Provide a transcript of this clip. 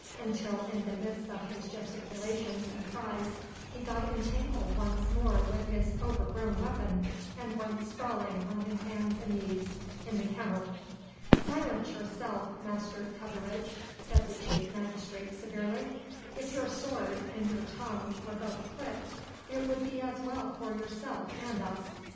until in the midst of his gesticulations and cries he got entangled once more with his overgrown weapon, and went sprawling on his hands and knees in the kennel. 'Silence yourself, Master Tetheridge,' said the chief magistrate severely. 'If your sword and your tongue were both clipped, it would be as well for yourself and us.